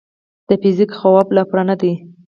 د فزیک خواب لا پوره نه دی.